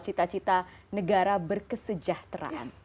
cita cita negara berkesejahteraan